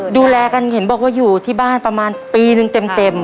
ดูแลกันเห็นบอกว่าอยู่ที่บ้านประมาณปีนึงเต็ม